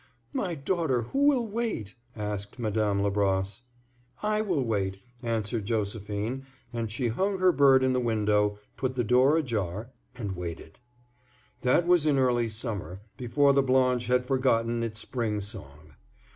"My daughter, who will wait?" asked Madame Labrosse. "I will wait," answered Josephine, and she hung her bird in the window, put the door ajar, and waited. That was in the early summer, before the Blanche had forgotten its spring song.